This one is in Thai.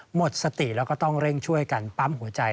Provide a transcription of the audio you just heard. หมดสติแล้วก็ต้องเร่งช่วยกันปั๊มหัวใจ